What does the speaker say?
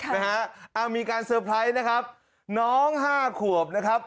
นะฮะอ่ามีการเตอร์ไพรส์นะครับน้องห้าขวบนะครับ